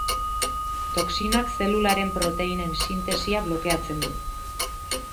Toxinak zelularen proteinen sintesia blokeatzen du.